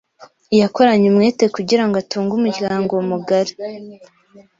Yakoranye umwete kugirango atunge umuryango mugari .